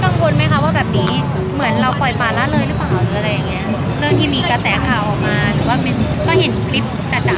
อันนี้ก็เป็นป้ายราคานะครับคุณผู้ชม